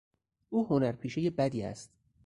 او هنرپیشهی بدی است.